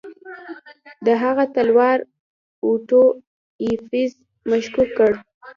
د هغه تلوار اوټو ایفز مشکوک کړ.